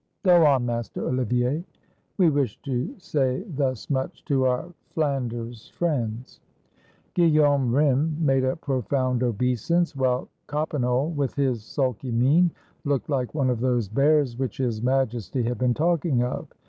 Go on, Master Olivier. We wished to say thus much to our Flanders friends." Guillaume Rym made a profound obeisance, while Coppenole, with his sulky mien, looked like one of those bears which his majesty had been talking of.